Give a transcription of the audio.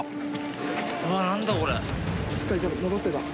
・しっかり伸ばせば。